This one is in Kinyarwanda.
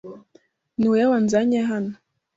Niwowe wanzanye hano.